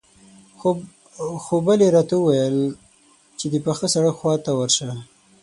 خو بلې راته وويل چې د پاخه سړک خواته ورشه.